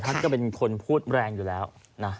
ท่านก็เป็นคนพูดแรงอยู่แล้วนะ